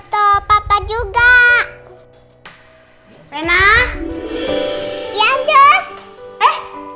tidak ada yang nanya apa apa